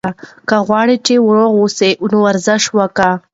که غواړې چې روغ اوسې، نو ورزش کوه.